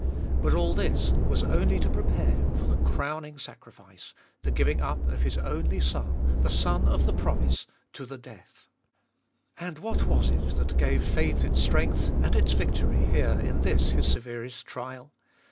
But all this was only to prepare him for the crowning sacrifice — the giving up of his only son, the son of the promise, to the death. And what was it that gave faith its strength and its victory here in this his severest trial?